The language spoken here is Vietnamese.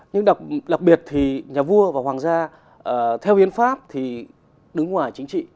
nhưng đặc biệt thì nhà vua và hoàng gia theo hiến pháp thì đứng ngoài chính trị